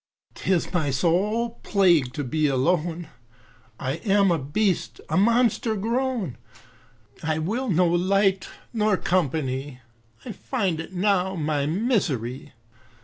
'Tis my sole plague to be alone, I am a beast, a monster grown, I will no light nor company, I find it now my misery.